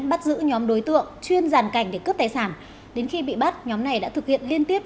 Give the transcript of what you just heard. bắt giữ nhóm đối tượng chuyên giàn cảnh để cướp tài sản đến khi bị bắt nhóm này đã thực hiện liên tiếp